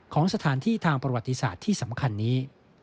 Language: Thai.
ของสถานที่ทางประวัติศาสตร์ที่สำคัญนี้